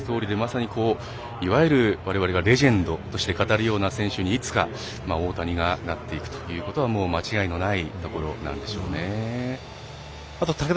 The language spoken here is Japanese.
おっしゃるとおりでいわゆるわれわれがレジェンドとして語るような選手にいつか、大谷がなっていくのはもう間違いないところなんでしょうね。